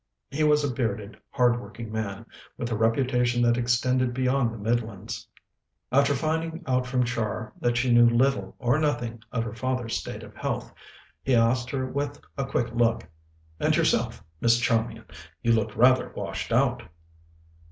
He was a bearded, hard working man, with a reputation that extended beyond the Midlands. After finding out from Char that she knew little or nothing of her father's state of health, he asked her with a quick look: "And yourself, Miss Charmian? You look rather washed out."